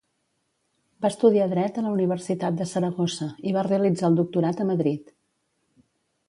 Va estudiar Dret a la Universitat de Saragossa i va realitzar el Doctorat a Madrid.